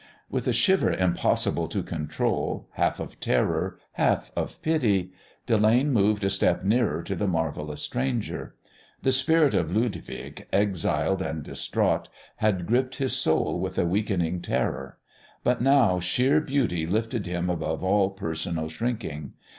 With a shiver impossible to control, half of terror, half of pity, Delane moved a step nearer to the marvellous stranger. The spirit of Ludwig, exiled and distraught, had gripped his soul with a weakening terror; but now sheer beauty lifted him above all personal shrinking.